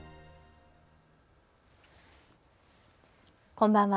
こんばんは。